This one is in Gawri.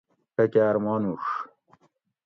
ٹکاۤر مانُوڛ